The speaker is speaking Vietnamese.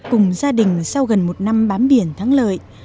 cùng gia đình sau gần một năm bám biển thắng lợi